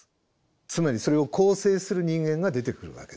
つまりそれを構成する人間が出てくるわけです。